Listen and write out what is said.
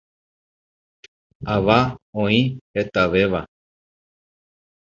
Ãva oĩ hetavéva.